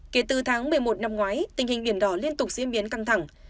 kể từ tháng một mươi một năm ngoái tình hình biển đỏ liên tục diễn biến căng thẳng